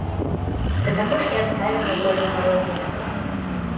Да таго ж і абставіны ў кожнага розныя.